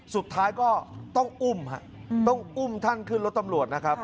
สุดท้ายก็ต้องอุ้มท่านขึ้นรถตำรวจ